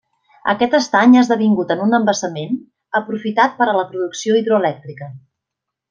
Aquest estany ha esdevingut en un embassament aprofitat per a la producció hidroelèctrica.